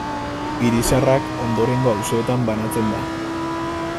Hiri Zaharrak ondorengo auzoetan banatzen da.